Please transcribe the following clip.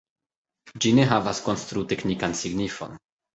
Ĝi ne havas konstru-teknikan signifon.